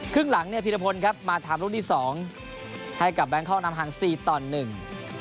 ครึ่งหลังพีทธพลมาถามรุ่นที่๒ให้กับแบงคล่องนำหัง๔ตอนหนึ่ง